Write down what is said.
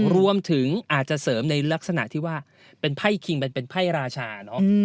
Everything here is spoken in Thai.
รวมถึงอาจจะเสริมในลักษณะที่ว่าเป็นไพ่คิงเป็นไพ่ราชาเนอะ